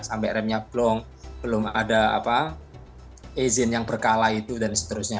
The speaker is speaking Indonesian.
sampai remnya belum ada izin yang berkala itu dan seterusnya